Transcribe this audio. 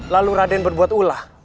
lalu raden berbuat ulah